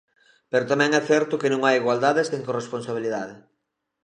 Pero tamén é certo que non hai igualdade sen corresponsabilidade.